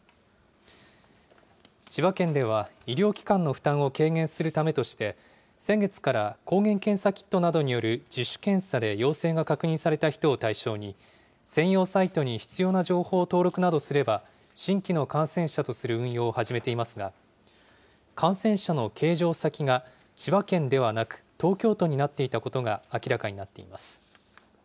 千葉県では、医療機関の負担を軽減するためとして、先月から抗原検査キットなどによる自主検査で陽性が確認された人を対象に、専用サイトに必要な情報を登録などすれば、新規の感染者とする運用を始めていますが、感染者の計上先が千葉県ではなく、東京都になっていたことが明らかになっています。